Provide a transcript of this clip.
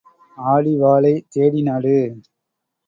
ஆடி வாழை தேடி நடு.